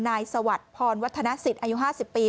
สวัสดิ์พรวัฒนสิทธิ์อายุ๕๐ปี